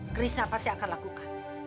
krisna pasti akan lakukan